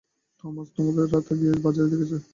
Thomas তোদের গত রাতে বাজারে দেখেছে।